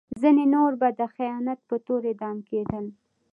ځینې نور به د خیانت په تور اعدام کېدل.